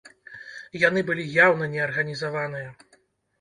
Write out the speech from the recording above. Яны былі яўна неарганізаваныя.